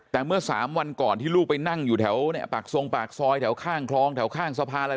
แต่เมื่อ๓วันก่อนที่ลูกไปนั่งอยู่แถวปากทรงปากซอยแถวข้างคลองแถวข้างสะพานอะไร